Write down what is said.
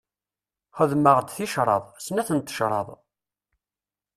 Xedmeɣ-d ticraḍ, snat n tecraḍ.